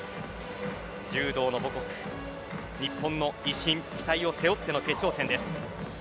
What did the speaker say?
柔道の母国、日本の威信、期待を背負っての決勝戦です。